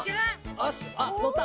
よしあっのった！